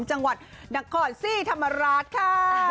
จังหวัดนครซี่ธรรมราชค่ะ